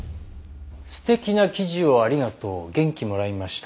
「素敵な記事をありがとう」「元気もらいました！」